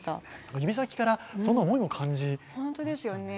指先からその思いも感じましたね。